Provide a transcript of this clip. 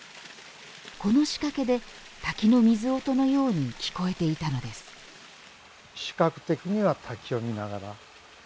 この仕掛けで滝の水音のように聞こえていたのですこれもあっと驚きますね。